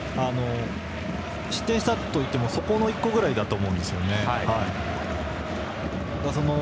失点したといってもそこの１個くらいだと思うんです。